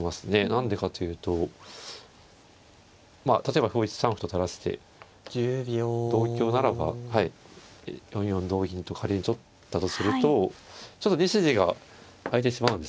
何でかというとまあ例えば歩を１三歩と垂らして同香ならばはい４四同銀と仮に取ったとするとちょっと２筋があいてしまうんですよね。